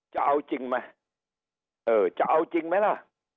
จะเอาจริงไหมเออจะเอาจริงไหมล่ะ